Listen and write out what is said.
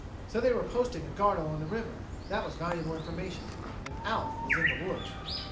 So they were posting a guard along the river! That was valuable information. And Alf was in the woods!